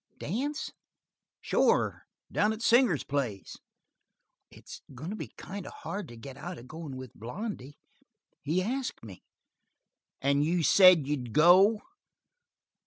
"Dance?" "Sure, down to Singer's place." "It's going to be kind of hard to get out of going with Blondy. He asked me." "And you said you'd go?"